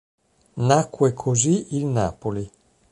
Nacque così il Napoli.